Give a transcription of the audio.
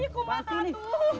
ya kumata tuh